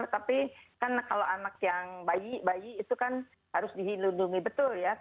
tapi kan kalau anak yang bayi bayi itu kan harus dihilindungi betul ya